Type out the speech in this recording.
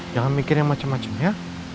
jangan mikir yang macem macem ya